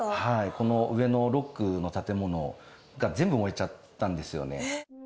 この上のＲＯＣＫの建物が全部燃えちゃったんですよね。